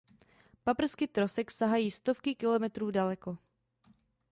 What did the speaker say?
Paprsky trosek sahají stovky kilometrů daleko.